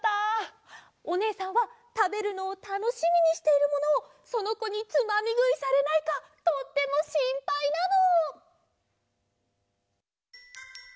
おねえさんはたべるのをたのしみにしているものをそのこにつまみぐいされないかとってもしんぱいなの。